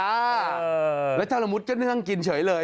ศูนย์สามสี่แปดจ้าเออแล้วเจ้าระมุดก็เนื่องกินเฉยเลย